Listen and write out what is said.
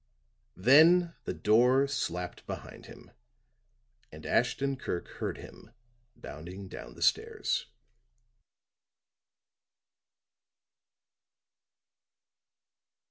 Then the door slapped behind him, and Ashton Kirk heard him bounding down the stairs.